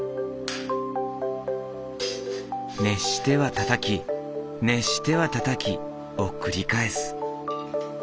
熱してはたたき熱してはたたきを繰り返す。